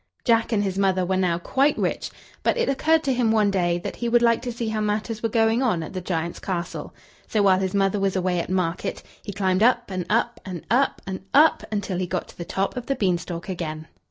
Jack and his mother were now quite rich; but it occurred to him one day that he would like to see how matters were going on at the giant's castle. So while his mother was away at market, he climbed up, and up, and up, and up, until he got to the top of the beanstalk again.